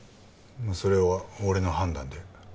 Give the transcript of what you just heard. それは俺の判断で。